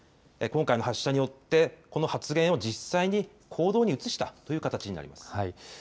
今回の発射によってこの発言を実際に行動に移したという形になります。